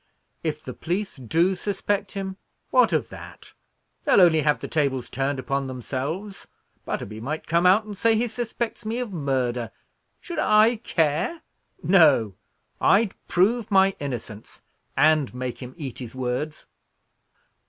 If the police do suspect him, what of that? they'll only have the tables turned upon themselves, Butterby might come out and say he suspects me of murder! Should I care? No; I'd prove my innocence, and make him eat his words."